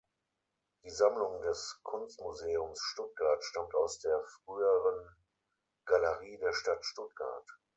Die Sammlung des Kunstmuseums Stuttgart stammt aus der früheren „Galerie der Stadt Stuttgart“.